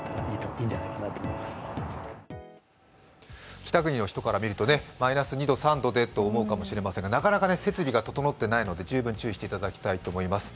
北国の人から見ると、マイナス２度、３度でと思うかもしれませんが、なかなか設備が整ってないので十分注意していただきたいと思います。